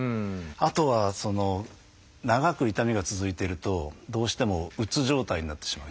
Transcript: あとは長く痛みが続いてるとどうしてもうつ状態になってしまう。